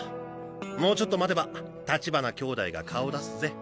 もうちょっと待てば立花兄弟が顔出すぜ。